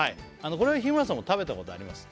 これは日村さんも食べたことあります